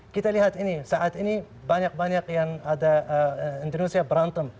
kita lihat ini saat ini banyak banyak yang ada indonesia berantem